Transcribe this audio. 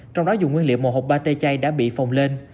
trong đó dùng nguyên liệu một hộp pate chay đã bị phồng lên